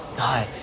はい。